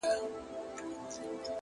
مرگ دی که ژوند دی،